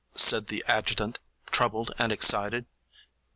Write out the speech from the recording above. said the adjutant, troubled and excited.